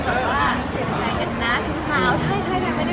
เรียกคือว่าเมีย